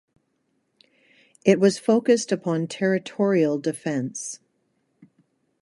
It was focused upon territorial defence.